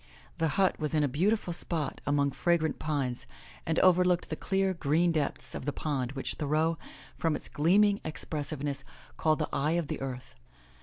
The hut was in a beautiful spot among fragrant pines and overlooked the clear, green depths of the pond which Thoreau, from its gleaming expressiveness, called the eye of the earth.